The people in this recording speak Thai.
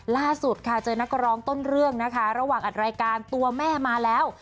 ล่าสุดค่ะเจอนักร้องต้นเรื่องนะคะระหว่างอัดรายการตัวแม่มาแล้ว